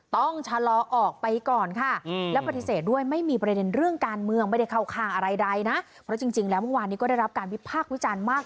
ต้องชะลอออกไปก่อนค่ะและปฏิเสธด้วยไม่มีในเรื่องการเมืองไม่ได้เขาคางอะไรวันนี้ก็ได้รับการวิพากค์วิจารณ์มาก